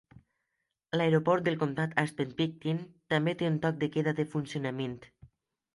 L'aeroport del comtat Aspen-Pitkin també té un toc de queda de funcionament.